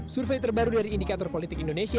survei terbaru dari indikator politik indonesia